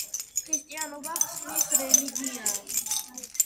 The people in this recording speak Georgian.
ქრისტიანობა ხსნის რელიგიაა.